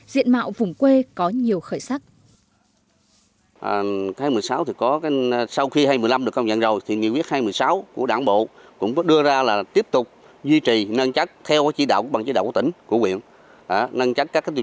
diện mạo vùng quê có nhiều khởi sắc